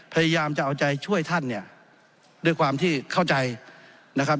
พยายามจะเอาใจช่วยท่านเนี่ยด้วยความที่เข้าใจนะครับ